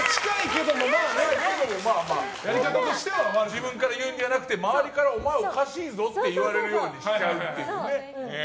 自分から言うんじゃなくて周りから、お前おかしいぞって言われるようにしちゃうっていうね。